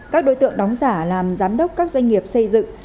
các đối tượng đóng giả làm giám đốc các doanh nghiệp xây dựng